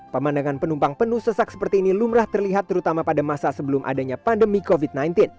pemandangan penumpang penuh sesak seperti ini lumrah terlihat terutama pada masa sebelum adanya pandemi covid sembilan belas